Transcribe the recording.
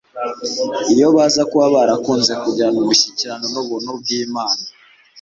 Iyo baza kuba barakunze kugirana umushyikirano n'ubuntu bw'Imana